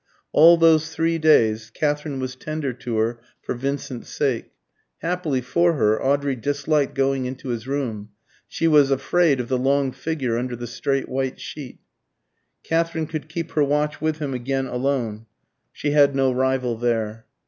All those three days Katherine was tender to her for Vincent's sake. Happily for her, Audrey disliked going into his room; she was afraid of the long figure under the straight white sheet. Katherine could keep her watch with him again alone; she had no rival there.